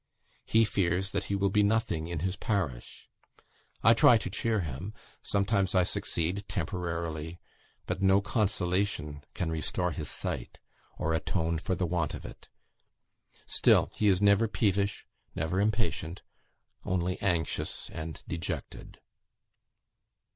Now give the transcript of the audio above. He fears that he will be nothing in his parish. I try to cheer him; sometimes I succeed temporarily, but no consolation can restore his sight, or atone for the want of it. Still he is never peevish; never impatient; only anxious and dejected."